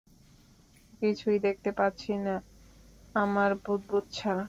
কিছুই দেখতে পাচ্ছি না, আমার বুদবুদ ছাড়া।